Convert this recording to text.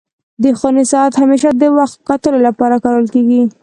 د خوني ساعت همېشه د وخت کتلو لپاره کارول کيږي.